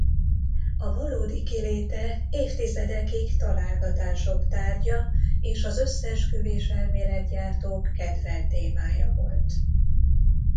A valódi kiléte évtizedekig találgatások tárgya és az összeesküvés-elméletgyártók kedvelt témája volt.